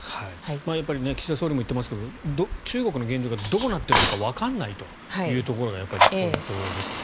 やっぱり岸田総理も言っていますが中国の現状がどうなっているのかわからないというところがやっぱりポイントですもんね。